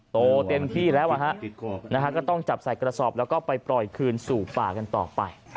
โตเต็มที่แล้วก็ต้องจับใส่กระสอบแล้วก็ไปปล่อยคืนสู่ป่ากันต่อไป